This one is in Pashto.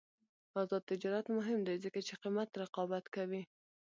آزاد تجارت مهم دی ځکه چې قیمت رقابت کوي.